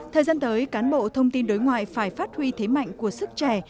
thời gian tới cán bộ thông tin đối ngoại phải phát huy thế mạnh của sức trẻ